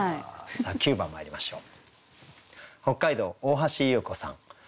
さあ９番まいりましょう。